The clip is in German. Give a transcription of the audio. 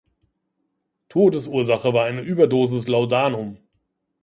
Todesursache war eine Überdosis Laudanum.